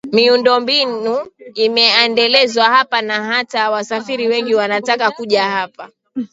Miundombinu imeendelezwa hapa na hata wasafiri wengi wanataka kuja hapa